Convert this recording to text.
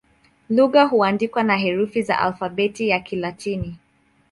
Lugha huandikwa na herufi za Alfabeti ya Kilatini.